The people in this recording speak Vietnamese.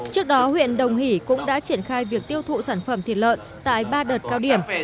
trước đó huyện đồng hỷ cũng đã triển khai việc tiêu thụ sản phẩm thịt lợn tại ba đợt cao điểm